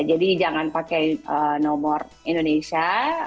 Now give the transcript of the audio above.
jadi jangan pakai nomor indonesia